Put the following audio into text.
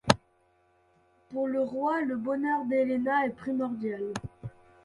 Pour le roi, le bonheur d’Elena est primordial.